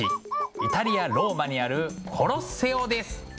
イタリア・ローマにあるコロッセオです。